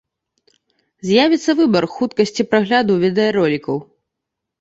З'явіцца выбар хуткасці прагляду відэаролікаў.